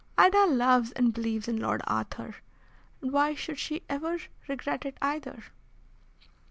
Ida loves and believes in Lord Arthur, and why should she ever regret it either?"